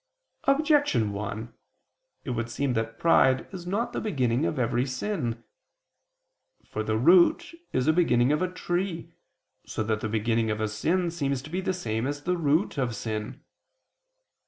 Objection 1: It would seem that pride is not the beginning of every sin. For the root is a beginning of a tree, so that the beginning of a sin seems to be the same as the root of sin.